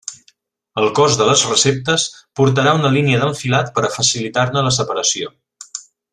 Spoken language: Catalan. El cos de les receptes portarà una línia d'enfilat per a facilitar-ne la separació.